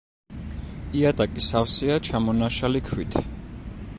იატაკი სავსეა ჩამონაშალი ქვით.